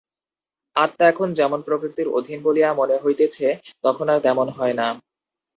আত্মা এখন যেমন প্রকৃতির অধীন বলিয়া মনে হইতেছে, তখন আর তেমন হয় না।